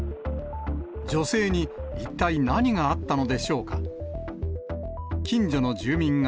女性に一体何があったのでしょうか。